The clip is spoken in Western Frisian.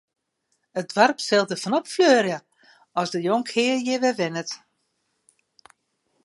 It doarp sil derfan opfleurje as de jonkhear hjir wer wennet.